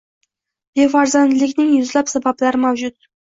Befarzandlikning yuzlab sabablari mavjud.